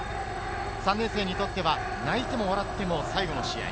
３年生にとっては泣いても笑っても最後の試合。